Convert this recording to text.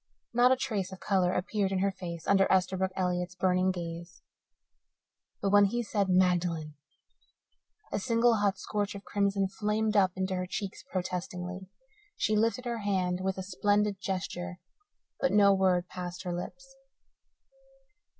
Not a trace of colour appeared in her face under Esterbrook Elliott's burning gaze. But when he said "Magdalen!" a single, hot scorch of crimson flamed up into her cheeks protestingly. She lifted her hand with a splendid gesture, but no word passed her lips.